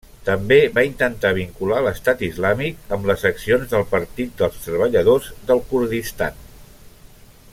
També va intentar vincular l'Estat Islàmic amb les accions del Partit dels Treballadors del Kurdistan.